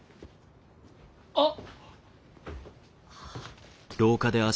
あっ！